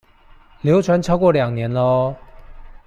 流傳超過兩年了喔